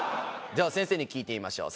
では先生に聞いてみましょう。